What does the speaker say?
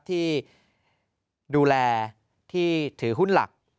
ที่ดูแลที่ถือหุ้นหลัก